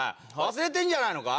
忘れてるんじゃないのか？